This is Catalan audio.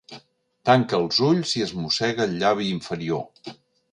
Tanca els ulls i es mossega el llavi inferior.